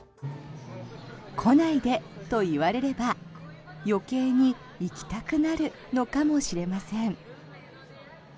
来ないでと言われれば余計に行きたくなるのかもしれません。